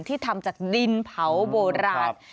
ที่ทำจากดินเผาโบราณ